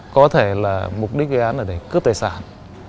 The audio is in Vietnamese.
có thể là mục đích gây án là để cướp tài sản